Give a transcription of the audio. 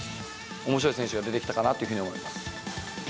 おもしろい選手が出てきたかなと思います。